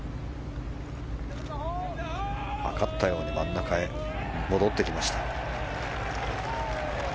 測ったように真ん中に戻ってきました。